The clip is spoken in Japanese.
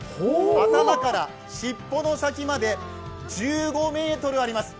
頭から尻尾の先まで１５ｍあります。